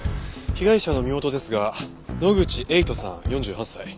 被害者の身元ですが野口栄斗さん４８歳。